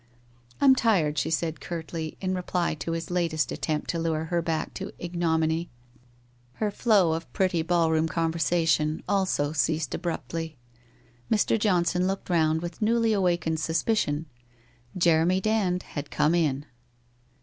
'I'm tired/ she said curtly, in reply to his latest at tempt to lun her baek to ignominy. Ber flow of pretty 8 114 WHITE ROSE OF WEARY LEAF ballroom conversation also ceased abruptly. Mr. Johnbon looked round with newly awakened suspicion. Jeremy Dand had come in!